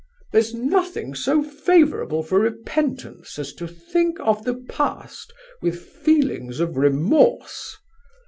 There's nothing so favourable for repentance as to think of the past with feelings of remorse!"